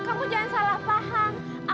kamu jangan salah paham